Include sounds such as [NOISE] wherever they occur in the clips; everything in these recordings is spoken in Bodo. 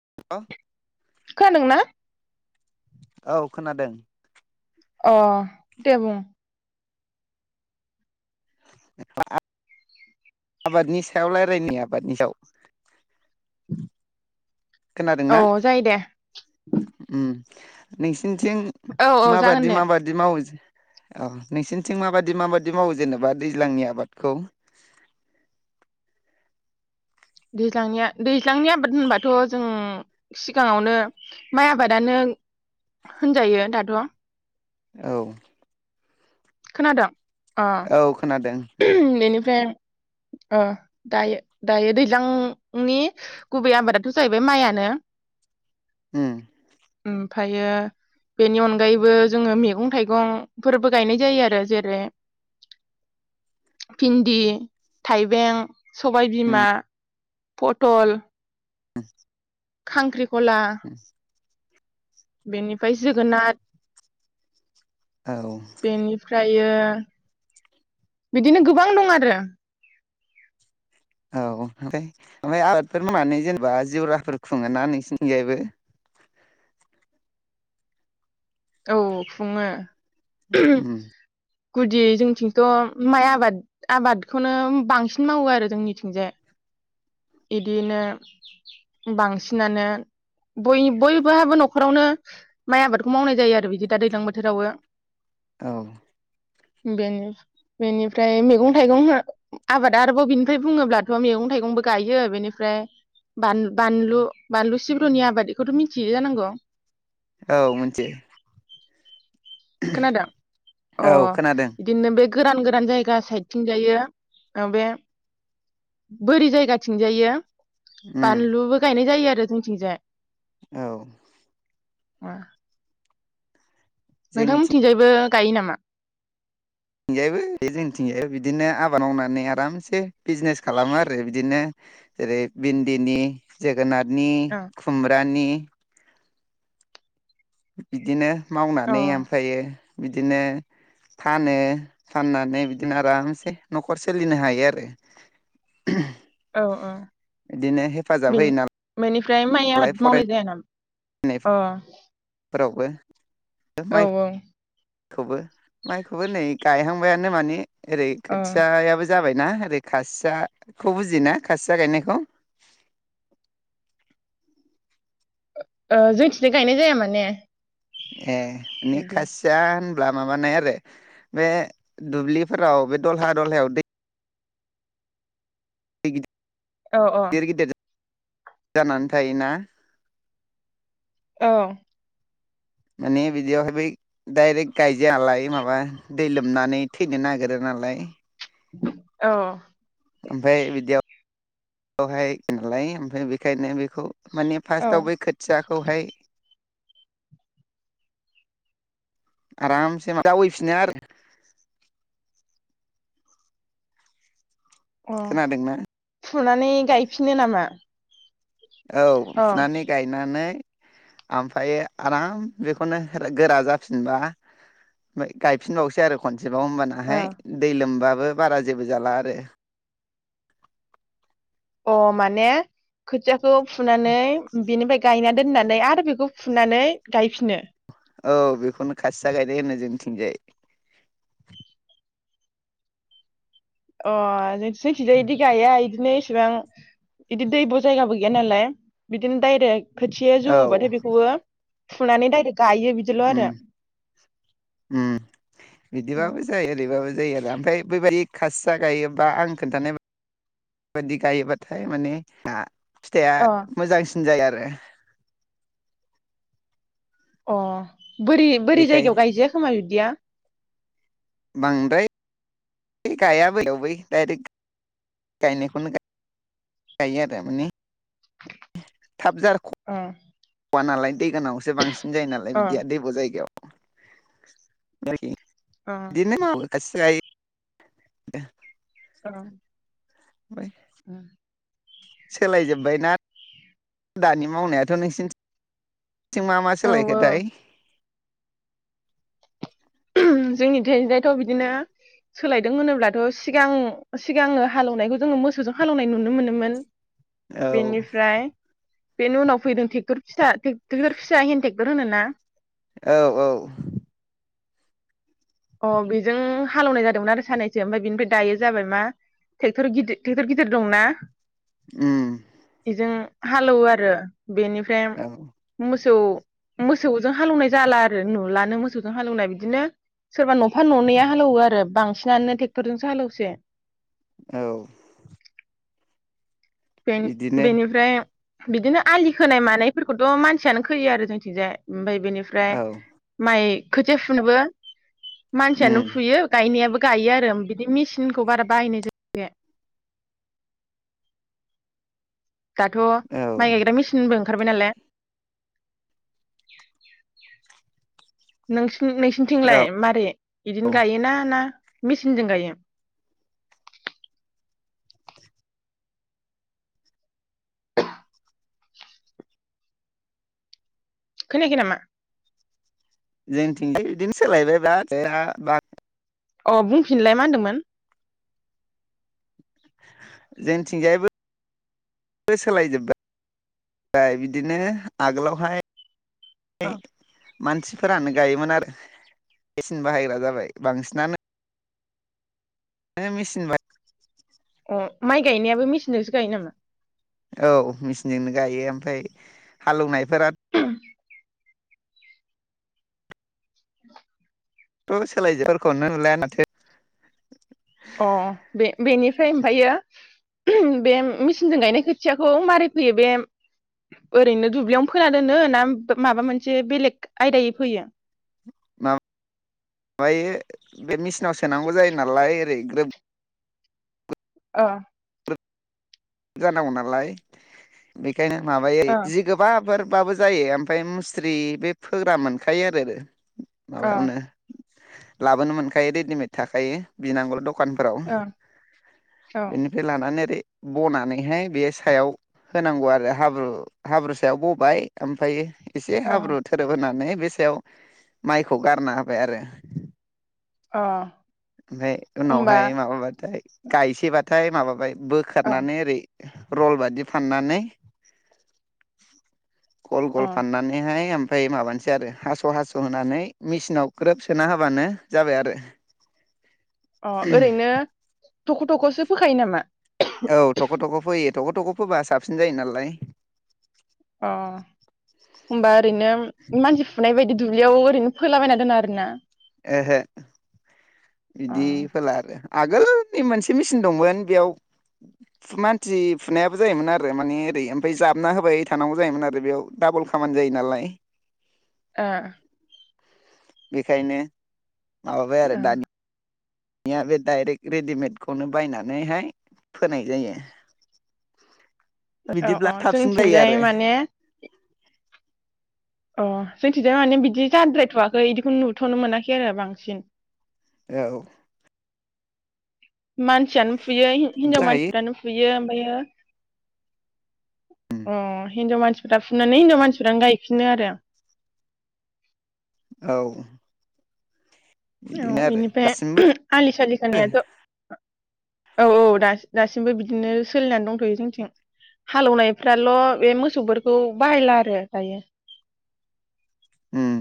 [UNINTELLIGIBLE] खोनादोंना औ खोनादों अ दे बुं आबादनि सायाव रायलायनि आबादनि सायाव [UNINTELLIGIBLE] औ खोनादोंना जायो दे उम नों थिं औ औ जागोन माबादि दे माबायदि मावो औ नोंसोरनिथिं माबादि माबायदि मावो जेनेबा? दैज्लांनिया दैज्लांनि आबाद होनबाथ जों सिगाङावनो माइ आबादानो होनजायो दाथ। औ। खोनादों? अ औ खोनादों। बेनिफ्राय ओ दायो दायो दैज्लांनि गुबै आबादाथ जाहैबाय मायानो। उम। फायो बेनि अनगायैबो जोङो मेगं थाइगंफोरबो गायनाय जायो आरो जेरै भिन्दि, थाइबें, उम सबायबिमा, पटल, [UNINTELLIGIBLE] खांख्रि खला, बेनिफ्राय जोगोनाद, औ बेनिफ्राय बियो बिदिनो गोबां दं आरो। औ ओमफ्राय ओमफ्राय आबादफोर मावनानै जेनेबा जिवराफोर खुङो ना नोंसिनिथिंजायबो? औ खुङो। उम। गुदि जोंनिथिंथ' माइ आबाद आबादखौनो बांसिन मावो आरो जोंनिथिंजाय। बिदिनो बांसिनानो बयबो बयबोहाबो न'खरावनो माइ आबादखौ मावनाय जायो आरो बिदि दा दैज्लां बोथोरावबो। औ। बेनि बेनिफ्राय मैगं थाइगं हो आबाद आरोबाव बिनिफ्राय बुङोब्लाथ' मैगं थाइगंबो गायो बेनिफ्राय बान बानलु बानलु सिब्रुनि आबाद बेखौथ' मिथियो जानांगौ। औ मोनथियो। खोनादों अ औ खोनादों बिदिनो बे गोदान गोदान जायगा साइडथिं जायो ओ बे बोरि जायगाथिं जायो। उम बानलुबो गायनायनि जायो आरो। देथन थिंजाय औ। मा जोंनिथिं नोंथांमोनथिंजायबो खाय नामा? थिंजायबो जोंनिथिंजाय बिदिनो आबाद मावनानै आरामसे बिजनेस खालामो आरो बिदिनो जेरै भिन्दिनि जो जोगोनादनि अ खुमब्रानि बिदिनो अ मावनानै ओमफ्रायो बिदिनो फानो फाननानै बिदिनो आरामसे न'खर सोलिनो हायो आरो अ अ बिदिनो हेफाजाब होयो नालाय ओमफ्राय माइ आबाद मावनाय जाया नामा? अ फोरावबो औ औ खौबो माइखौबो नै गायहांबायानो माने ओरै अ खोथिया याबो जाबाय ना ओरै खासियाखौ बुजियो ना खासिया गायनायखौ ओ ओ जोंथि गायनाय जाया मान ने। ए निखासिया होनब्ला माबानाय आरो बे दुब्लिफोराव बे दलहा दलहायाव दै। दै गिदि। औ औ। जानानै थायोना औ। माने बिदियावहाय बै दायरेक गायजायालाय माबा दै लोंनानै थैनो नागिरो नालाय औ। ओमफ्राय बिदियाव। बेवहाय नालाय ओमफ्राय बेखायनो बेखौ। माने औ फास्टाआव बै खोथियाखौहाय। आरामसे मा जावोयै फिनो आरो अ खोनादोंना फुनानै गायफिनो नामा? औ अ फुनानै गायनानै आमफ्राय आराम बेखौनो गोरा जाफिनबा मा गायफिनबावसै आरो खनसे। जेबाव अ ओमबानाहाय दै लोमबा बो बारा जेबो जाला आरो। अ माने खोथिया। खौ फुनानै बेनिफ्राय गायना दोननानै आरो बेखौ फुनानै गायफिनो। औ बेखौनो खासिया गायनाय होनो जोंनिथिंजाय। अ जों जोंनि थिंजाय इदि गाया इद। बिदिनो इसिबां। खोथिया जौवो बाथाय बेखौबो। फुनानै दाइरेक। ओम ओम बिदिबाबो जायो ओरैबाबो जायो आरो ओमफ्राय बैबादि। खासिया गायोबा आं खोन्थानाय बा बेबायदि गायोबाथाय माने आ। फिथाइआ अ मोजां सिन। जाय आरो। अ। बोरि बोरि बेखाय जायगायाव गायजाया खोमा बि। दिया। बांद्राय गायाबैयाव बै दडाइरेक गायनायखौनो गायो आरो माने। थाब जारख अ आनालायन दैगानावसो बांसिन जायो नालाय अ बिदिया दैब' जायगायाव अ [UNINTELLIGIBLE] [UNINTELLIGIBLE] [UNINTELLIGIBLE] औ। बाय औ। सोलायजोब्बायना दानि मावनायाथ' नोंसिनिथिं थिं मा मा औ सोलायखोथायाय। जोंनि थिंजायथ' बिदिनो सोलायदों होनोब्लाथ' सिगां सिगांनो हालेवनायखौ जोङो मोसौजों हालेवनाय नुनो मोनोमोन। औ बेनिफ्राय बेनि उनाव फैदों टेक्टर फिसा टेक्टर फिसा हेन टेक्टर होनो ना। औ औ। अ बेजों हालेवनाय जादोंमोन आरो सानैसो ओमफ्राय बेनिफ्राय दायो जाबाय मा ट्रेक्टर गिदिर ट्रेक्टर गिदिर दंना। उम एजों। हालेवो आरो। बेनिफ्राय औ मु मोसौ मोसौजों हालेवनाय जाला आरो नुलानो मोसौजों हालौवनाय बिदिनो। सोरबा न'फा ननैया हालवो आरो बांसिनानो ट्रेक्टरजोंसो हालौसै। औ। बिदिनो बेनिफ्राय बिदिनो आलि खोनाय मानायफोरखौथ' मानसियानो खोयो आरो जोंथिंजाय ओमफाय बेनिफ्राय औ माइ खोथिया फुनोबो मानसियानो उम फुयो गायनायाबो गायो आरो बिदि मेचिनखौ बारा बाहायनाय [UNINTELLIGIBLE] दाथ' औ माइ गायग्रा मेचिनबो ओंखारबाय नालाय, नोंसिन औ नोंसिनिथिंलाय मारै? बिदिनो औ गायोना ना? मेचिनजों गायो? खोनायाखै नामा? जोंथिं बिदिनो सोलायबाय बा [UNINTELLIGIBLE] अह बुंफिनलाय मा होनदोंमोन। जोंथिंजायबो सोलायजोब्बाय बिदिनो आगोलावहाय अ मानसिफोरानो गायोमोन आरो मेचिन बाहायग्रा जाबाय बांसिनानो माने मेचिन बाय ओ माइ गायनायाबो मेचिनजोंसो गायो नामा? औ मेचिनजोंनो गायो ओमफ्राय हालौनायफोरा थ' सोलायजोफोरखौनो नुला माथो। अह बे बेनिफ्राय ओमफायो बे मेचिनजों गायनाय खोथियाखौ मारै फोयो बे ओरैनो दुब्लियावनो फोना दोनो ना माबा मोनसे बेलेक आयदायै फोयो? मा बायो बे मेचिनाव सोनांगौ जायो नालाय ओरै ग्रोब ओ। जानांगौ नालाय बे खायनो माबायो अ जि गोबाफोर बाबो जायो ओमफाय मुस्रि बे फोग्रा मोनखायो आरो रो। अ माबायावनो लाबोनो मोनखायो रेडिमेड थाखायो बिनांगौल' दख खानफोराव। अ औ बिनिफाय लानानै ओरै बनानैहाय बे सायाव होनांगौ आरो हाब्रु हाब्रु सायाव बबाय ओमफायो एसे अ हाब्रु थोरोब होनानै बे सायाव माइखौ गारना होबाय आरो। अह। ओमफाय उनावहाय माबा बाथाय गायसै बाथाय माबाबाय अ बोखारनानै ओरै रल बादि फाननानै गल अ गल फाननानैहाय ओफ ओमफाय माबानोसै आरो हास' हास' होनानै मेसिनाव ग्रोब सोना होबानो जाबाय आरो अ ओरैनो थख' थख'सो फोखायो नामा? औ थख' थख' फोयो। थख' थख' फोबा साबसिन जायो नालाय। अ होमबा ओरैनो मानसि फुनाय बायद बे दुब्लियाव ओरैनो फोलाबायना दोना आरोना? ओहो अ इदि फोला आरो आगोलनि मोनसे मेचिन दंमोन बेयाव मानसि फुनायाबो जायोमोन आरो माने ओरै ओमफाय जाबना होबाय थानांगौ जायोमोन आरो बेयाव डाबल खामानि जायो नालाय। ओ बेखायनो माबाबाय आरो ओ दानि या बे दायरेक्ट रेडिमेडखौनो बायनानैहाय फोनाय जायो। औ बिदिब्ला अ थाबसिन जायो जोंनिथिंजाय आरो माने अ जोंनिथिजाय माने बिदि जाद्रायथ'वाखै इदिखौनो नुथ'नो मोनाखै आरो बांसिन। औ मानसियानो फुयो हिनजाव मानसिफ्रानो फुयो। फुयो हायो उम हिनजाव मानसिफोरा फुनानै हिनजाव मानसिफ्रानो गायफिनो आरो औ औ बिदिनो आरो दासिमबो इनिफाय आलि सालि खोनायाथ' औ औ दासि दासिमबो बिदिनो सोलिनानै दंथ'यो जोंनिथिं हालेवनायफ्राल' बे मोसौफोरखौ बाहायला आरो दायो। उम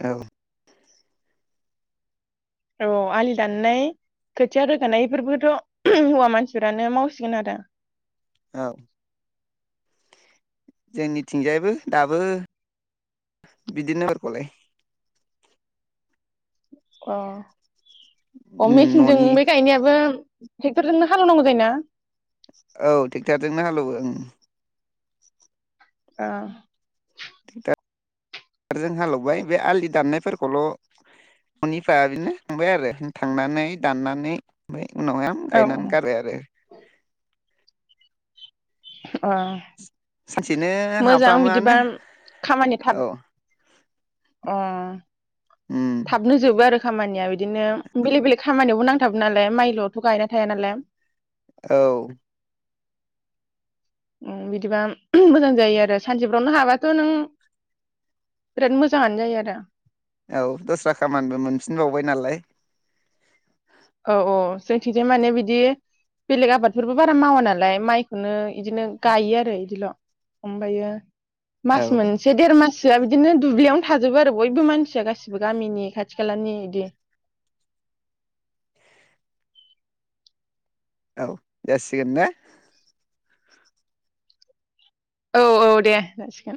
औ औ आलि दाननाय खोथिया रोगानायफोरबोथ' हौवा मानसिफोरानो मावसिगोन आरो औ जोंनिथिंजायबो दाबो बिदिनोफोरखौलाय अ अ उम मेचिनजों न'नि बे गायनायाबो ट्रेक्टरजों हालेवनांगौ जायो ना? औ टेक्ट'रजोंनो हालेवो ओं आ टेक्टरजों हालेवबाय बे आलि दाननायफोरखौल' न'निफा बिनो थांबाय आरो थांनानै दाननानै ओमफाय उनाव हायाम औ गायनानै गारो आरो अ सानसेनो मोजां बिदिबा हाफ्रामोआनो औ उम उम थाबनो जोबो आरो। खामानिया बिदिनो बेलेग बेलेग खामानियावबो नांथाबो नालाय माइल'थ' गायना थाया नालाय। औ उम बिदिबा मोजां जायो आरो सानसेफ्रावनो हाबाथ' नों बिराद मोजाङानो जायो आरो। औ दस्रा खामानिबो मोनफिनबावबाय नालाय। औ औ जोंथिंजाय माने बिदि बेलेग आबादफोरबो बारा मावा नालाय माइखौनो इदिनो गायो आरो इदिल'। अमबायो मास औ मोनसे देर मास सआ बिदिनो दुब्लियावनो थाजोबो आरो बयबो मानसिया गासिबो गामिनि खाथि खालानि बिदि। औ जासिगोन ना? औ औ दे जासिगोन।